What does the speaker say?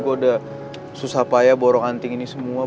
gue udah susah payah borong anting ini semua